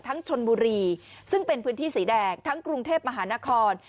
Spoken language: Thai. ชนบุรีซึ่งเป็นพื้นที่สีแดงทั้งกรุงเทพมหานคร